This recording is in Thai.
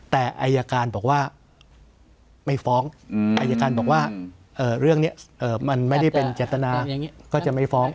แต่อายการบอกว่าไม่ฟ้องอายการบอกว่าเรื่องนี้มันไม่ได้เป็นเจตนาก็จะไม่ฟ้อง